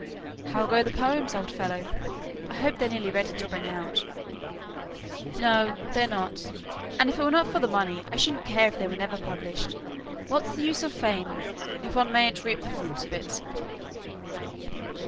"How go the poems, old fellow? I hope they're nearly ready to bring out." "No, they're not; and if it weren't for the money, I shouldn't care if they were never published. What's the use of fame, if one mayn't reap the fruits of it?"